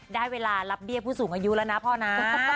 ได้เวลารับเบี้ยผู้สูงอายุแล้วนะพ่อนะ